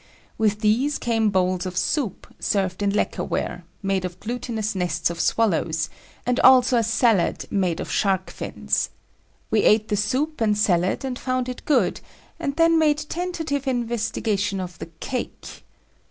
With these came bowls of soup, served in lacquer ware, made of glutinous nests of swallows, and also a salad made of shark fins. We ate the soup and salad and found it good, and then made tentative investigation of the "cake."